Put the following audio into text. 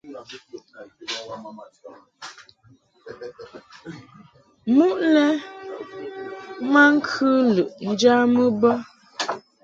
Muʼ lɛ ma ŋkɨ lɨʼ njamɨ bə.